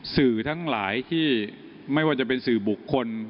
สื่อทั้งหลายที่ไม่ว่าจะเป็นสื่อบุคคล